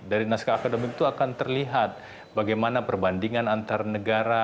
dari naskah akademik itu akan terlihat bagaimana perbandingan antar negara